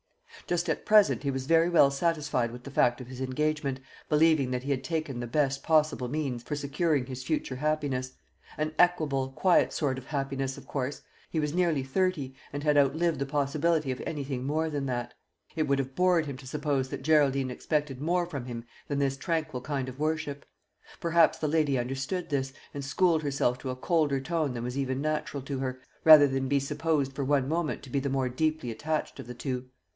Just at present he was very well satisfied with the fact of his engagement, believing that he had taken the best possible means for securing his future happiness; an equable, quiet sort of happiness, of course he was nearly thirty, and had outlived the possibility of anything more than that. It would have bored him to suppose that Geraldine expected more from him than this tranquil kind of worship. Perhaps the lady understood this, and schooled herself to a colder tone than was even natural to her, rather than be supposed for one moment to be the more deeply attached of the two.